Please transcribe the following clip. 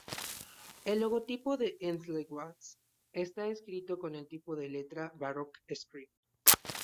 El logotipo de "Endless Waltz" está escrito con el tipo de letra "Baroque Script".